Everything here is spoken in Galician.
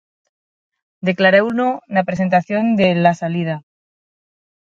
Declarouno na presentación de La Salida.